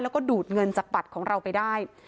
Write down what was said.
แล้วก็ดูดเงินจากบัตรของเราไปได้